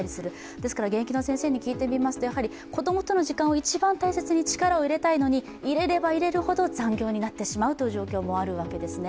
ですから現役の先生に聞いてみますと子供との時間を一番大切に力を入れたいのに、入れれば入れるほど残業になってしまうという状況もあるわけですね。